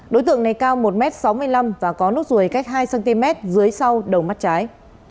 đối tượng này cao một m sáu mươi năm và có nốt ruồi cách hai cm dưới sau đầu mắt trái